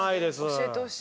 教えてほしい。